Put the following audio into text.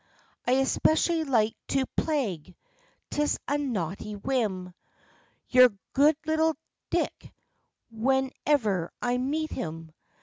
I especially like to plague — 'tis a naughty whim — Your good little Dick, whenever I meet him.